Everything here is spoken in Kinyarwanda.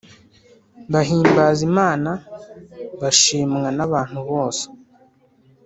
Bahimbaza imana bashimwa n abantu bose